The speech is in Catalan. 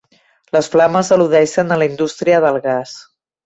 Les flames al·ludeixen a la indústria del gas.